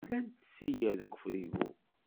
Llant tsigar deg ufrigu.